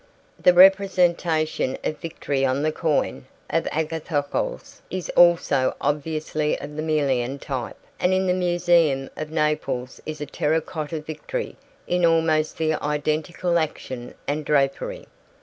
The representation of Victory on the coin of Agathocles is also obviously of the Melian type, and in the museum of Naples is a terra cotta Victory in almost the identical action and drapery.